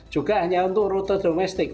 juga hanya untuk rute domestik